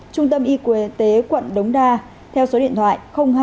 trung tâm y tế quận đống đa theo số điện thoại hai trăm bốn mươi ba năm trăm sáu mươi hai